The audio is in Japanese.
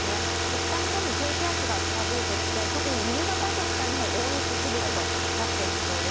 北日本に低気圧が近づいてきて、特に夕方以降、北日本、大雪、吹雪となっていきそうです。